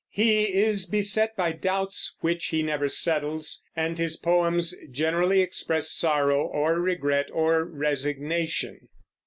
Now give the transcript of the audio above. He is beset by doubts which he never settles, and his poems generally express sorrow or regret or resignation.